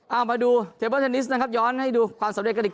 เอามาดูเทเบอร์เทนนิสนะครับย้อนให้ดูความสำเร็จกันอีก